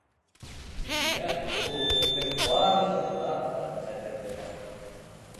Тик миңә ул һеҙҙең барығыҙҙан да ҡәҙерлерәк.